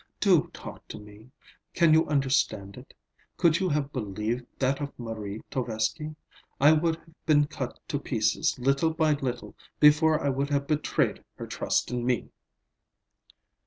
Do talk to me. Can you understand it? Could you have believed that of Marie Tovesky? I would have been cut to pieces, little by little, before I would have betrayed her trust in me!"